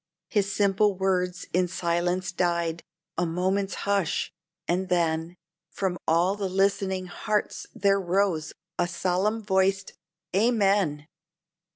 His simple words in silence died: a moment's hush. And then From all the listening hearts there rose a solemn voiced Amen!